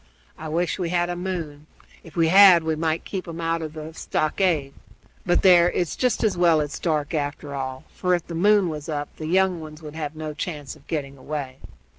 I wish we had a moon; if we had, we might keep 'em out of the stockade. But there it's just as well it's dark, after all; for, if the moon was up, the young ones would have no chance of getting away."